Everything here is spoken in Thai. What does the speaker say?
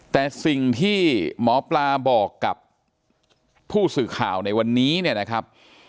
แต่สิ่งที่หมอปลาบอกกับผู้สื่อข่าวในวันนี้เนี่ยนะครับ